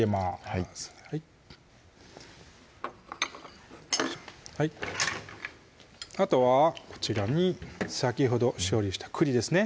はいあとはこちらに先ほど処理した栗ですね